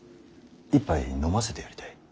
一杯飲ませてやりたい。